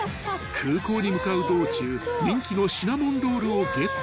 ［空港に向かう道中人気のシナモンロールをゲット］